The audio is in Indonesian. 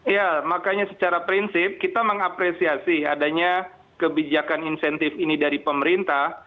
ya makanya secara prinsip kita mengapresiasi adanya kebijakan insentif ini dari pemerintah